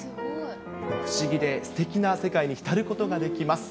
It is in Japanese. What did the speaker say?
不思議ですてきな世界に浸ることができます。